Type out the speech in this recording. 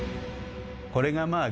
これがまあ